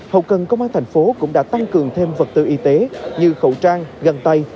hậu cần công an thành phố cũng đã tăng cường thêm vật tư y tế như khẩu trang găng tay